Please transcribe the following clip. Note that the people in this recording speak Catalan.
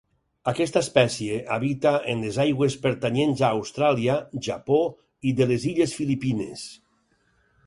Aquesta espècie habita en les aigües pertanyents a Austràlia, Japó i de les Illes Filipines.